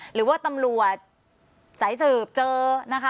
หรือว่าตำรวจสายสืบเจอนะคะ